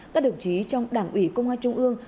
các đồng chí trong đảng ủy công an trung ương